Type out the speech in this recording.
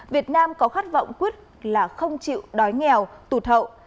việt nam có khát vọng quyết là không chịu đói nghèo tụt hậu